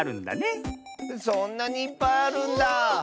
そんなにいっぱいあるんだ。